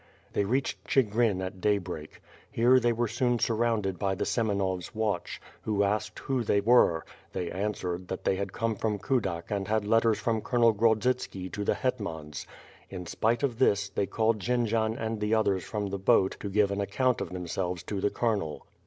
They reached (.'higrin at dayl)reak. Here they were soon surrounded by the Semenovs watch, who asked who they were; they answered, that they came from Kudak and had letters from ( oloncl Grodzitski to the hetmans. In spite of this, they called to Jendzian and the others from the boat to give an account of themselves to the colonel.